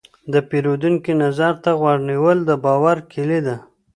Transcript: د پیرودونکي نظر ته غوږ نیول، د باور کلي ده.